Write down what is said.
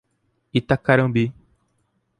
Itacarambi